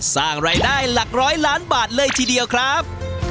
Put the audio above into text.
สร้างรายได้หลักร้อยล้านบาทเลยทีเดียวครับ